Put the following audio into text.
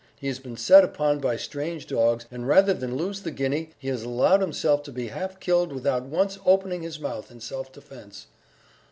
He has been set upon by strange dogs, and rather than lose the guinea, he has allowed himself to be half killed without once opening his mouth in self defence!